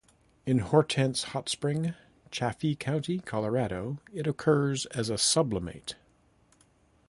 In Hortense Hot Spring, Chaffee County, Colorado, it occurs as a sublimate.